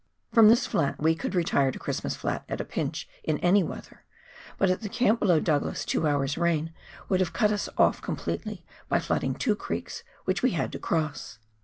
From this flat we could retire to Christmas Flat at a pinch in any weather, but at the camp below the Douglas two hours' rain would have cut us off com pletely by flooding two creeks which we had to cross.